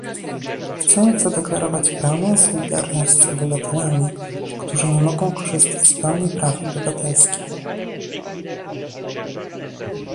Chcę zadeklarować pełną solidarność z obywatelami, którzy nie mogą korzystać z pełni praw obywatelskich